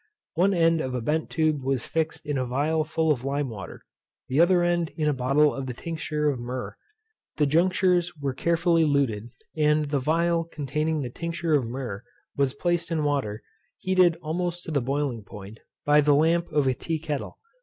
One end of a bent tube was fixed in a phial full of lime water; the other end in a bottle of the tincture of myrrh. The junctures were carefully luted, and the phial containing the tincture of myrrh was placed in water, heated almost to the boiling point, by the lamp of a tea kettle.